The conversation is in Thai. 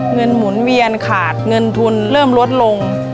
หมุนเวียนขาดเงินทุนเริ่มลดลง